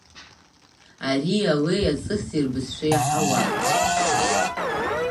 Ари алеи аҵыси рбызшәа иаҳауан.